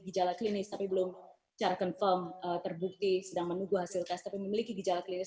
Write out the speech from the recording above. gijalah klinis tapi belum secara confirm terbukti sedang menunggu hasil kasus memiliki gijalah klinis